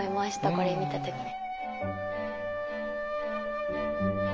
これ見た時に。